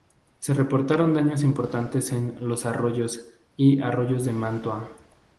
Se reportaron daños importantes en Los Arroyos y Arroyos de Mantua.